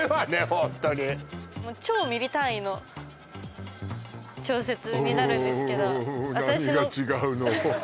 ホントに超ミリ単位の調節になるんですけど私のおおっ何が違うの？